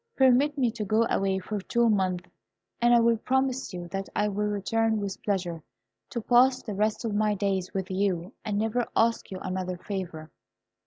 Permit me to go away for two months, and I promise you that I will return with pleasure to pass the rest of my days with you, and never ask you another favour."